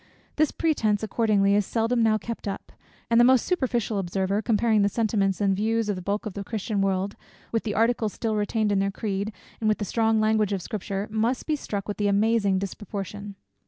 This pretence accordingly, is seldom now kept up; and the most superficial observer, comparing the sentiments and views of the bulk of the Christian world, with the articles still retained in their creed, and with the strong language of Scripture, must be struck with the amazing disproportion.